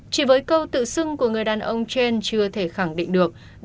chỉ với câu tự xưng của người đàn ông trên chưa thể khẳng định được